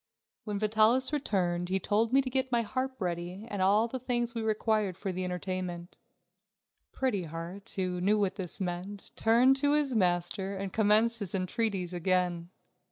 When Vitalis returned, he told me to get my harp ready and all the things we required for the entertainment. Pretty Heart, who knew what this meant, turned to his master and commenced his entreaties again.